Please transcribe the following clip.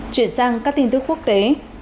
chuyển sang các tin tức quốc tế